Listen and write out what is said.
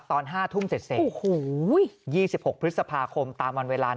ตอนห้าทุ่มเสร็จเสร็จโอ้โหยี่สิบหกพฤษภาคม